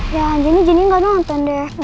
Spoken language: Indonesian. ya anjani jadi gak nonton deh